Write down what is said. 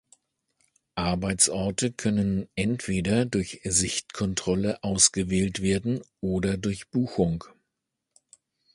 Arbeitsorte können entweder durch Sichtkontrolle ausgewählt werden oder durch Buchung.